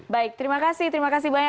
baik terima kasih terima kasih banyak